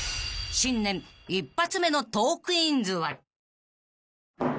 ［新年一発目の『トークィーンズ』は］